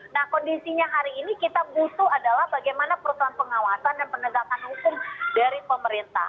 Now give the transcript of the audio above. nah kondisinya hari ini kita butuh adalah bagaimana perusahaan pengawasan dan penegakan hukum dari pemerintah